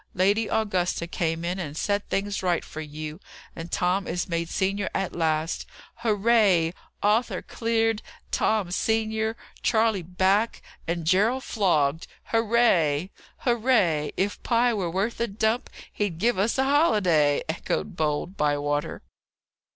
"Lady Augusta came in and set things right for you, and Tom is made senior at last. Hurrah! Arthur cleared, Tom senior, Charley back, and Gerald flogged! Hurrah!" "Hurrah! If Pye were worth a dump, he'd give us a holiday!" echoed bold Bywater.